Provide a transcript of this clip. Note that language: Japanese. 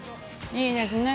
いいですね。